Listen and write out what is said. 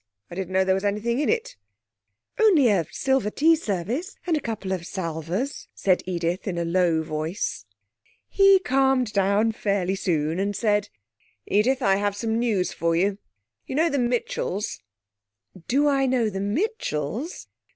I didn't know there was anything in it.' 'Only a silver tea service, and a couple of salvers,' said Edith, in a low voice.... ...He calmed down fairly soon and said: 'Edith, I have some news for you. You know the Mitchells?' 'Do I know the Mitchells?